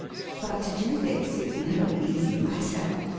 But to do this is no easy matter.